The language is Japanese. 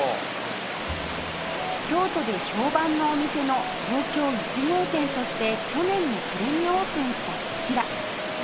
京都で評判のお店の東京１号店として去年の暮れにオープンしたこちら